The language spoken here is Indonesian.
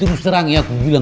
udah tenang aja dulu